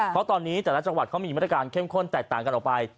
เพราะตอนนี้แต่ละจังหวัดเขามีมาตรการเข้มข้นแตกต่างกันออกไป